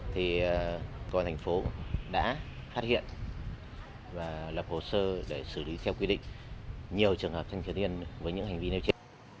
thì công an thành phố đã phát hiện và lập hồ sơ để xử lý theo quy định nhiều trường hợp thanh thiếu niên với những hành vi nêu trên